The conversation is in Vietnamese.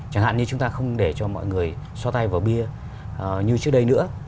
chẳng hạn như chúng ta không để cho mọi người so tay vào bia như trước đây nữa